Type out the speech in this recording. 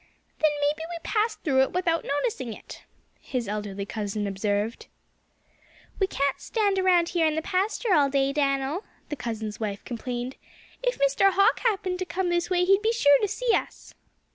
"Then maybe we passed through it without noticing it," his elderly cousin observed. "We can't stand around here in the pasture all day, Dan'l," the cousin's wife complained. "If Mr. Hawk happened to come this way he'd be sure to see us."